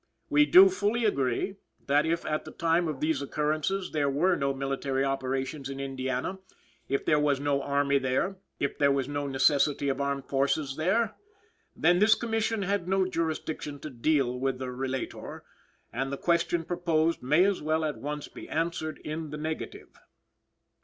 "We do fully agree, that if at the time of these occurrences there were no military operations in Indiana, if there was no army there, if there was no necessity of armed forces there, then this Commission had no jurisdiction to deal with the relator, and the question proposed may as well at once be answered in the negative."